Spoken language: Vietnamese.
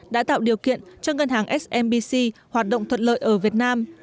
đã tạo điều kiện cho ngân hàng smbc hoạt động thuận lợi ở việt nam